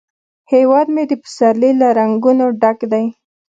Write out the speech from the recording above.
هیواد مې د پسرلي له رنګونو ډک دی